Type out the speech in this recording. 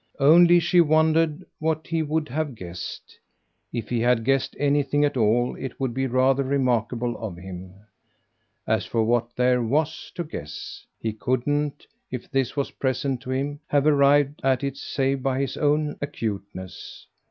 Only she wondered what he would have guessed. If he had guessed anything at all it would be rather remarkable of him. As for what there WAS to guess, he couldn't if this was present to him have arrived at it save by his own acuteness.